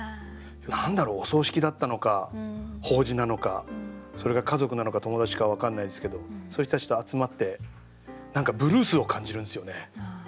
何だろうお葬式だったのか法事なのかそれが家族なのか友達か分からないですけどそういう人たちと集まって何かブルースを感じるんすよね。